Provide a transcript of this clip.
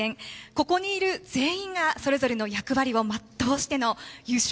ここにいる全員がそれぞれの役割を全うしての優勝。